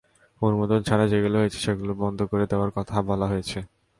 অনুমোদন ছাড়া যেগুলো হয়েছে সেগুলো বন্ধ করে দেওয়ার কথা বলা হয়েছে।